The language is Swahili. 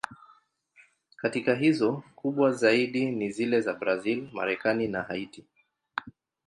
Katika hizo, kubwa zaidi ni zile za Brazil, Marekani na Haiti.